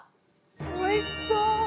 おいしそう！